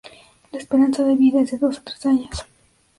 La esperanza de vida es de dos a tres años.